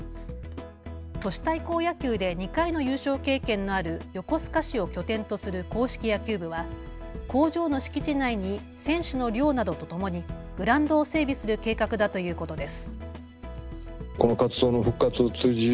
都市対抗野球で２回の優勝経験のある横須賀市を拠点とする硬式野球部は工場の敷地内に選手の寮などとともにグラウンドを整備する計画だということです。